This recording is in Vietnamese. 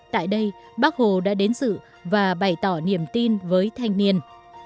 tại đây bác hồ đã đến dự và bày tỏ niềm tin với thanh niên